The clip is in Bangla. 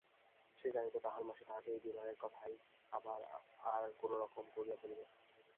সে জানিত তাহার মাসি তাহাকে এই বিবাহের কথাই আবার আর-কোনোরকম করিয়া বলিবেন।